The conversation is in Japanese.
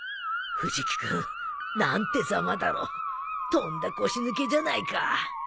とんだ腰抜けじゃないか